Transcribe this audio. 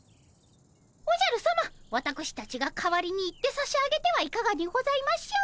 おじゃるさまわたくしたちが代わりに行ってさしあげてはいかがにございましょう。